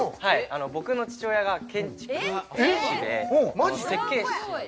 僕の父親が建築士で設計士。